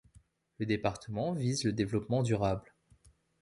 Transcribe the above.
Le département vise le développement durable.